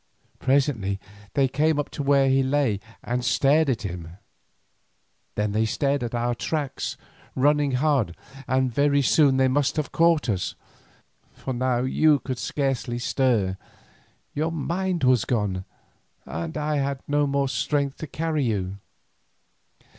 Presently, they came up to where he lay and stared at him. Then they started on our tracks, running hard, and very soon they must have caught us, for now you could scarcely stir, your mind was gone, and I had no more strength to carry you.